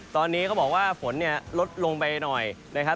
ตอนนี้เขาบอกว่าฝนเนี่ยลดลงไปหน่อยนะครับ